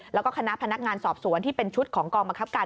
แล้วก็คณะพนักงานสอบสวนที่เป็นชุดของกองบังคับการ